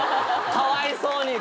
かわいそうに！